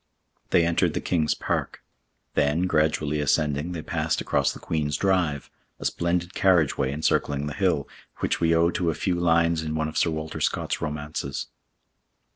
They entered the King's Park, then, gradually ascending they passed across the Queen's Drive, a splendid carriageway encircling the hill, which we owe to a few lines in one of Sir Walter Scott's romances.